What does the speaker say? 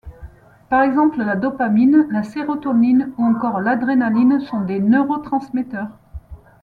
Par exemple, la dopamine, la sérotonine ou encore l'adrénaline sont des neurotransmetteurs.